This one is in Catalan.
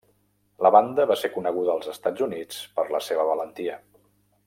La banda va ser coneguda als Estats Units per la seva valentia.